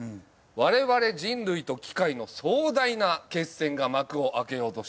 我々人類と機械の壮大な決戦が幕を開けようとしております。